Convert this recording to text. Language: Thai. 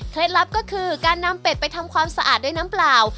ลับก็คือการนำเป็ดไปทำความสะอาดด้วยน้ำเปล่า